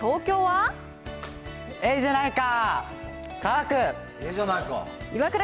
ええじゃないか。